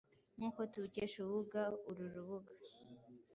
Nk'uko tubikesha urubuga uru rubuga